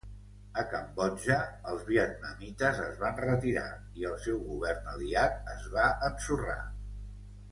A Cambodja, els vietnamites es van retirar i el seu govern aliat es va ensorrar.